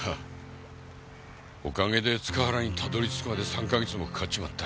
おかげで塚原にたどり着くまで３か月もかかっちまった。